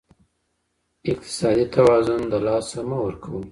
اقتصادي توازن له لاسه مه ورکوئ.